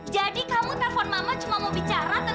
jadi kamu telepon mama cuma mau bicara tentang hal itu